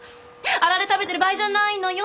アラレ食べてる場合じゃないのよ！